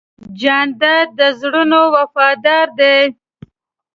جانداد د زړونو وفادار دی.